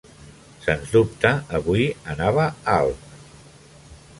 Sens dubte, avui anava alt.